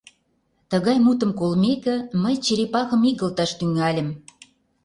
Тыгай мутым колмеке мый черепахым игылташ тӱҥальым: